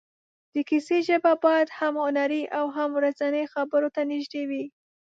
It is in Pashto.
د کیسې ژبه باید هم هنري او هم ورځنیو خبرو ته نږدې وي.